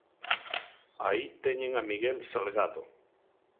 Aí teñen a Miguel Salgado.